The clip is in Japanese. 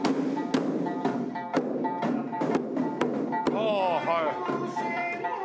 ああはい。